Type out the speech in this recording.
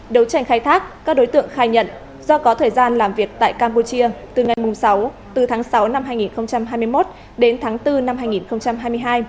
đấu tranh khai thác các đối tượng khai nhận do có thời gian làm việc tại campuchia từ ngày sáu từ tháng sáu năm hai nghìn hai mươi một đến tháng bốn năm hai nghìn hai mươi hai